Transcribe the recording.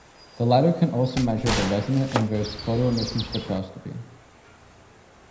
The latter can also measure the resonant inverse photoemission spectroscopy.